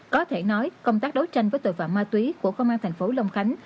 có thể nói công tác đấu tranh với tội phạm ma túy của công an tp long khánh